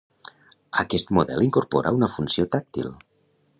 Aquest model incorpora una funció tàctil.